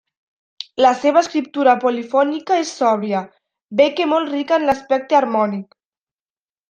La seva escriptura polifònica és sòbria, bé que molt rica en l'aspecte harmònic.